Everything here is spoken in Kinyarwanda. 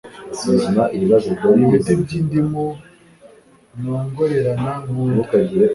ibiti by'indimu nongorerana nkunda